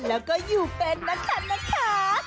แล้วก็อยู่เป็นนักทันนะคะ